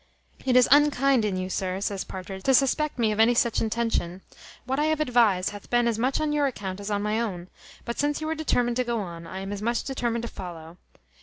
"It is unkind in you, sir," says Partridge, "to suspect me of any such intention. What I have advised hath been as much on your account as on my own: but since you are determined to go on, I am as much determined to follow.